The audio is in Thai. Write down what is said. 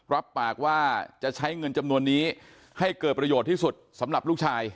รับปากว่าจะใช้เงินจำนวนนี้ให้เกิดประโยชน์ที่สุดสำหรับลูกชาย